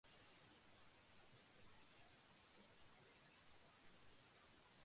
আন্দোলনরত শিক্ষার্থীদের হাতে অবরুদ্ধ উপাচার্যকে উদ্ধার করার দায়িত্ব বিশ্ববিদ্যালয় প্রশাসনের।